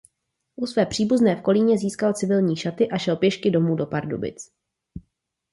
U své příbuzné v Kolíně získal civilní šaty a šel pěšky domů do Pardubic.